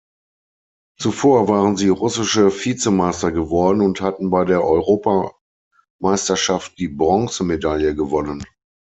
Zuvor waren sie russische Vizemeister geworden und hatten bei der Europameisterschaft die Bronzemedaille gewonnen.